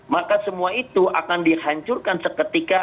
maka semua itu akan dihancurkan seketika